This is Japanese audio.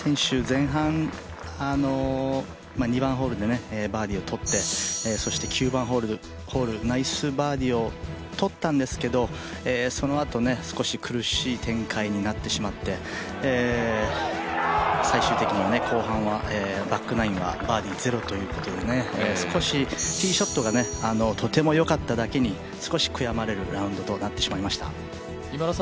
前半、２番ホールでバーディーをとってそして９番ホールでポール、ナイスバーディーをとったんですけどそのあと、少し苦しい展開になってしまって最終的に後半はバックナインはバーディー０ということで少し、ティーショットがとても良かっただけに少し悔やまれるラウンドとなってしまいました。